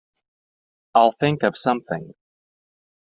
I'll think of something.